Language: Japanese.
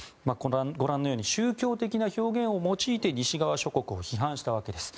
ご覧のように宗教的な表現を用いて西側諸国を批判したわけです。